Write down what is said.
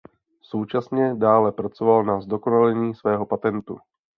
Současně dále pracoval na zdokonalení svého patentu.